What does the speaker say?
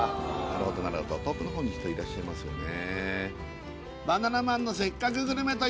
なるほどなるほど遠くの方に人いらっしゃいますよね